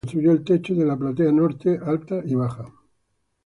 Ese mismo año, se construyó el techo de la Platea Norte Alta y Baja.